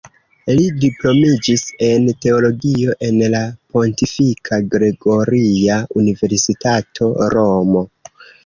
Li diplomiĝis en teologio en la Pontifika Gregoria Universitato, Romo.